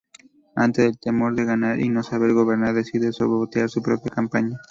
Ante el temor de ganar y no saber gobernar decide sabotear su propia campaña.